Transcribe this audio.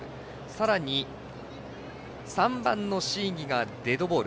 さらに３番の椎木がデッドボール。